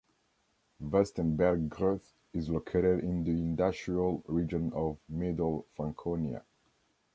Vestenbergsgreuth is located in the industrial region of Middle Franconia.